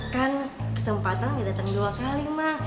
kan kesempatan gak datang dua kali mang